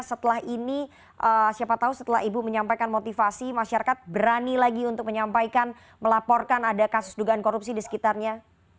setelah ini siapa tahu setelah ibu menyampaikan motivasi masyarakat berani lagi untuk menyampaikan melaporkan ada kasus dugaan korupsi di sekitarnya